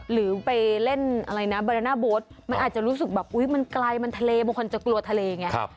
หรือไปเล่นอะไรนะบาดาน่าโบ๊ทมันอาจจะรู้สึกแบบอุ๊ยมันไกลมันทะเลบางคนจะกลัวทะเลไง